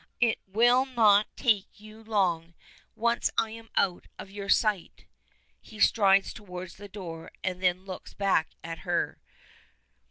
It will not take you long, once I am out of your sight!" He strides towards the door, and then looks back at her.